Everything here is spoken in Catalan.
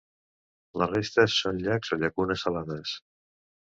La resta són llacs o llacunes salades.